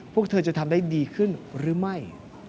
พวกเธอจะทำได้ดีขึ้นหรือไม่